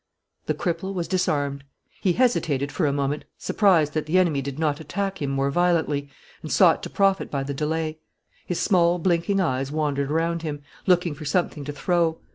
The cripple was disarmed. He hesitated for a moment, surprised that the enemy did not attack him more violently, and sought to profit by the delay. His small, blinking eyes wandered around him, looking for something to throw.